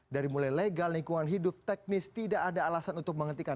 dari mulai legal lingkungan hidup teknis tidak ada alasan untuk menghentikan